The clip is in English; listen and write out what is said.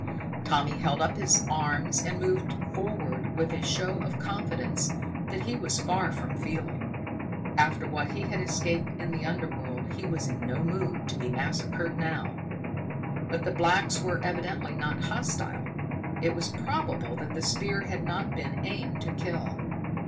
Tommy held up his arms and moved forward with a show of confidence that he was far from feeling. After what he had escaped in the underworld he was in no mood to be massacred now. But the blacks were evidently not hostile. It was probable that the spear had not been aimed to kill.